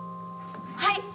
はい！